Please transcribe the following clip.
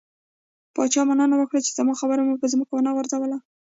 پاچا مننه وکړه، چې زما خبره مو په ځمکه ونه غورځوله.